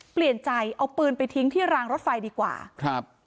เปลี่ยนใจเอาปืนไปทิ้งที่รางรถไฟดีกว่าครับ